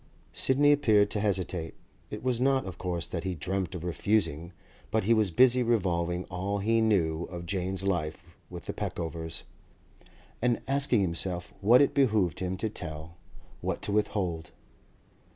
Sidney appeared to hesitate. It was not, of course, that he dreamt of refusing, but he was busy revolving all he knew of Jane's life with the Peckovers, and asking himself what it behoved him to tell, what to withhold.